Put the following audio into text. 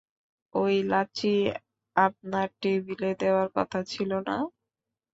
ওই লাচ্চি আপনার টেবিলে দেওয়ার কথা ছিল না?